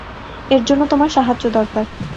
এর জন্য তোমার সাহায্য দরকার।